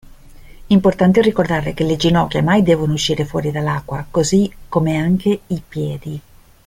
Importante ricordare che le ginocchia mai devono uscire fuori dall'acqua, così come anche i piedi.